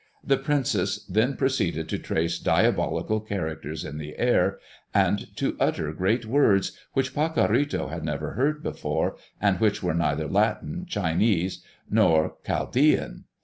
The princess then proceeded to trace diabolical characters in the air, and to utter great words which Pacorrito had never heard before, and which were neither Latin, Chinese, nor Chaldean.